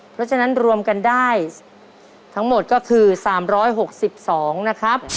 เพราะฉะนั้นรวมกันได้ทั้งหมดก็คือ๓๖๒นะครับ